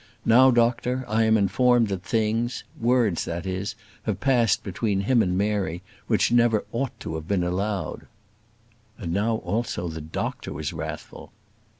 Now, doctor, I am informed that things words that is have passed between him and Mary which never ought to have been allowed." And now also the doctor was wrathful.